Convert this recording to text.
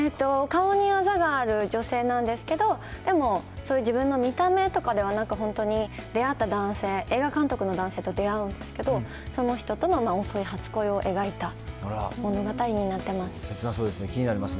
顔にあざがある女性なんですけど、でも、自分の見た目とかではなくて、本当に出会った男性、映画監督の男性と出会うんですけど、その人との遅い初恋を描いた物語になってます。